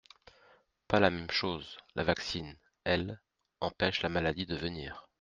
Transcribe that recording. Pas la même chose … La vaccine, elle, empêche la maladie de venir.